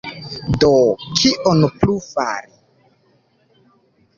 Do, kion plu fari?